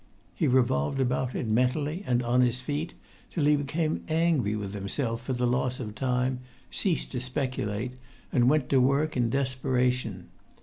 He revolved about it, mentally and on his feet, till he became angry with himself for the loss of time, ceased to speculate, and went to work in desperation.